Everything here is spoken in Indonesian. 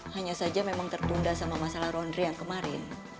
hanya saja memang tertunda sama masalah roundry yang kemarin